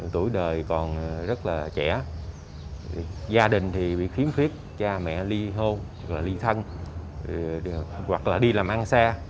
tuổi đời còn rất là trẻ gia đình thì bị khiếm khuyết cha mẹ ly hôn hoặc là ly thân hoặc là đi làm ăn xa